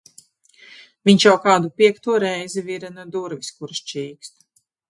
Viņš jau kādu piekto reizi virina durvis, kuras čīkst.